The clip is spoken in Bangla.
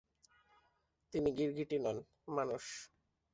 তিনি গিরগিটি নন, মানুষ।